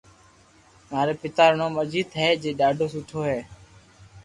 ماري پيتا رو نوم اجيت ھي جي ڌاڌو سٺو ھي